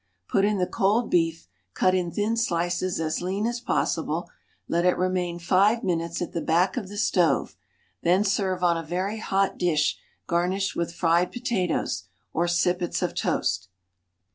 Put in the cold beef, cut in thin slices as lean as possible, let it remain five minutes at the back of the stove; then serve on a very hot dish garnished with fried potatoes, or sippets of toast.